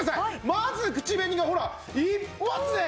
まず口紅がほら一発で！